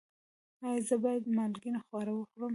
ایا زه باید مالګین خواړه وخورم؟